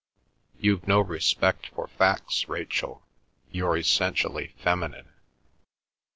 You've no respect for facts, Rachel; you're essentially feminine."